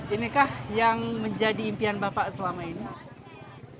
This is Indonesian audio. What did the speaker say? inikah yang menjadi impian bapak selama ini